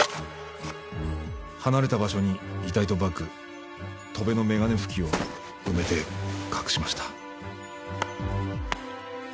離れた場所に遺体とバッグ戸辺の眼鏡拭きを埋めて隠しました。